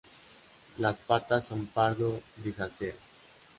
Las patas son pardo-grisáceas.